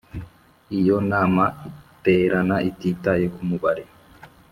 Iyo nama iterana ititaye ku mubare